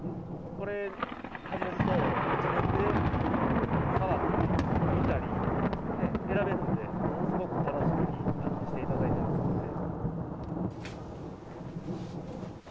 これ始めると、もう自分で触ったり、見たり、選べるんで、ものすごく楽しみにしていただいてますので。